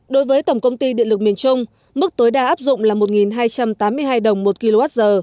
đối với tổng công ty điện lực miền trung mức tối đa áp dụng là một hai trăm tám mươi hai đồng một kwh